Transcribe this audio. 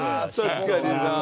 確かにな。